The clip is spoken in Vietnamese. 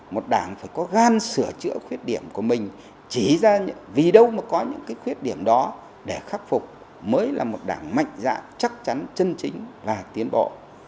một đảng phải có gan sửa chữa khuyết điểm của mình chỉ ra vì đâu mà có những cái khuyết điểm đó để khắc phục mới là một đảng mạnh dạng chắc chắn chân chính và tiến bộ